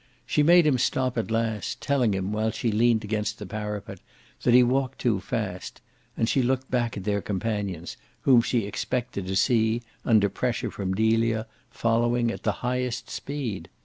She made him stop at last, telling him, while she leaned against the parapet, that he walked too fast; and she looked back at their companions, whom she expected to see, under pressure from Delia, following at the highest speed.